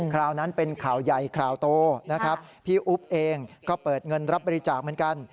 คราวนั้นเป็นข่าวใหญ่ข่าวโตนะครับพี่อุ๊บเองก็เปิดเงินรับบริจาคเหมือนกัน